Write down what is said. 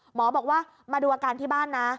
หมอบอกว่ามาดูอาการที่บ้านนะ